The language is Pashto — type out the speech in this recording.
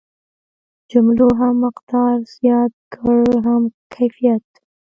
جملو هم مقدار زیات کړ هم کیفیت.